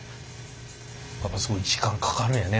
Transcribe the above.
やっぱすごい時間かかるんやね。